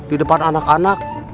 di depan anak anak